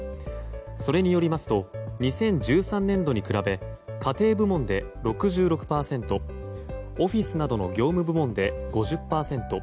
それによりますと２０１３年度に比べ家庭部門で６６％オフィスなどの業務部門で５０％